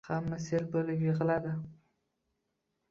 Hamma sel bo`lib yig`ladi